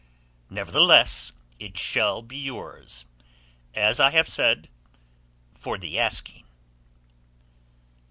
Nevertheless, it shall be yours, as I have said, for the asking.